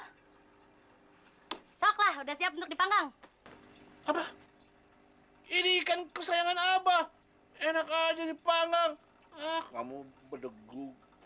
hai soklah udah siap untuk dipanggang apa ini ikan kesayangan abah enak aja dipanggang kamu bedegu